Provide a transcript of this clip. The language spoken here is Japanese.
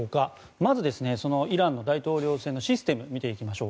まず、イランの大統領選のシステムを見ていきましょう。